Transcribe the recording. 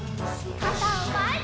かたをまえに！